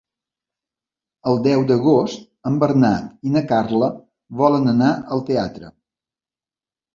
El deu d'agost en Bernat i na Carla volen anar al teatre.